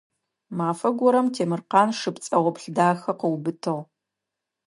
Мафэ горэм Темиркъан шы пцӀэгъоплъ дахэ къыубытыгъ.